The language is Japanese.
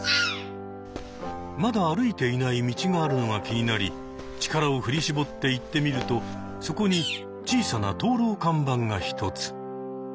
まだ歩いていない道があるのが気になり力を振り絞って行ってみるとそこに小さな灯籠看板が一つ。